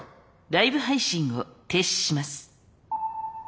ライブ配信を停止します。